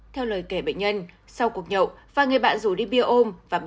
theo lời kể bệnh nhân sau cuộc nhậu và người bạn rủ đi bia ôm